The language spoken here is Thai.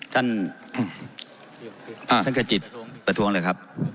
ท่านท่านขจิตประท้วงเลยครับ